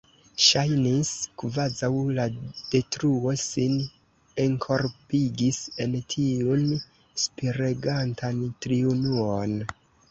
Ŝajnis, kvazaŭ la Detruo sin enkorpigis en tiun spiregantan triunuon.